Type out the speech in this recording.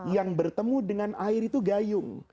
yang bertemu dengan air itu gayung